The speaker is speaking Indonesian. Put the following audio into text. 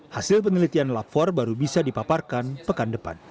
hasil penelitian lapor baru bisa dipaparkan pekan depan